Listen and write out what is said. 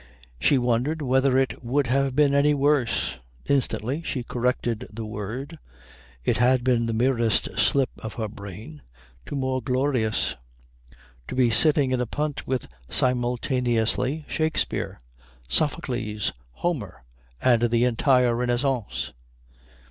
She wondered whether it would have been any worse instantly she corrected the word (it had been the merest slip of her brain) to more glorious to be sitting in a punt with, simultaneously, Shakespeare, Sophocles. Homer, and the entire Renaissance.